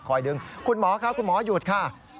ดึงคุณหมอค่ะคุณหมอหยุดค่ะ